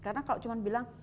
karena kalau cuma bilang